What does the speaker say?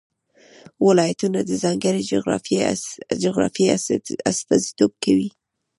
ولایتونه د ځانګړې جغرافیې استازیتوب کوي.